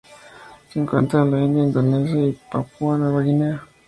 Se encuentra en la India, Indonesia y Papúa Nueva Guinea.